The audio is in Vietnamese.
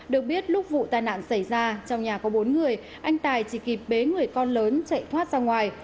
được biết lúc vụ tai nạn xảy ra trong nhà có bốn người anh tài chỉ kịp bế người con lớn chạy thoát ra ngoài